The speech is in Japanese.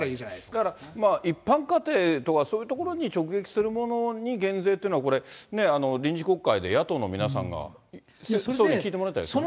だから、一般家庭とかそういうところに直撃するものに減税というのは、これ、臨時国会で野党の皆さんが聞いてもらいたいですね。